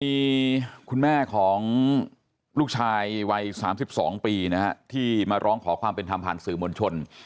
มีคุณแม่ของลูกชายวัย๓๒ปีนะฮะที่มาร้องขอความเป็นธรรมผ่านสื่อมวลชน